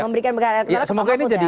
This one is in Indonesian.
memberikan bekal elektoral ke pak mahfud ya